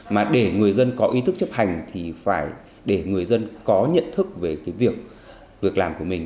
mà để người dân có ý thức chấp hành thì phải để người dân có nhận thức về cái việc làm của mình